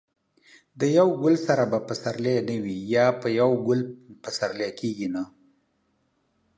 د یو ګل سره به پسرلی نه وي.